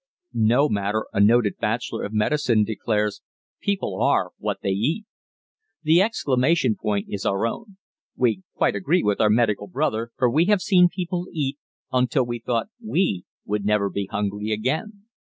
No wonder a noted bachelor of medicine declares "People are what they eat!" The exclamation point is our own. We quite agree with our medical brother for we have seen people eat until we thought we would never be hungry again.